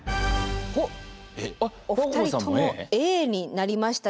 ほっお二人ともＡになりました。